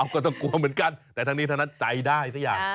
ก็ต้องกลัวเหมือนกันแต่ทั้งนี้ทั้งนั้นใจได้สักอย่าง